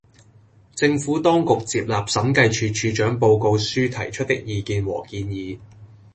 政府當局接納審計署署長報告書提出的意見和建議